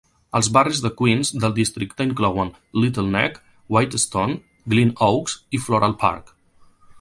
Els barris de Queens del districte inclouen Little Neck, Whitestone, Glen Oaks i Floral Park.